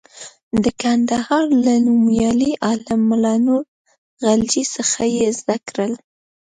د کندهار له نومیالي عالم ملا نور غلجي څخه یې زده کړل.